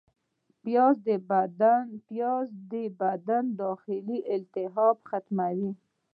پیاز د بدن داخلي التهابات ختموي